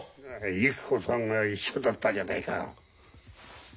ゆき子さんが一緒だったじゃねえか。